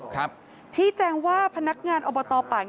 ชี้แจงว่าพนักงานอบธป่างิ้วสอบปัญจุ